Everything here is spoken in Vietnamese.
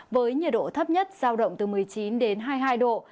với nhiệt độ thấp nhất giao động từ một mươi chín đến hai mươi hai độ